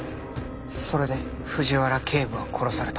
それで藤原警部は殺された？